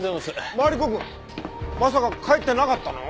マリコくんまさか帰ってなかったの？